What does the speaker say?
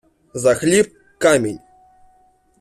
За хліб — камінь!